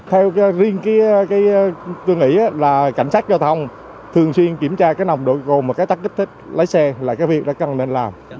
theo riêng tôi nghĩ là cảnh sát giao thông thường xuyên kiểm tra nồng độ cồn và chất kích thích lái xe là cái việc đã cần nên làm